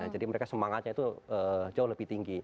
jadi mereka semangatnya itu jauh lebih tinggi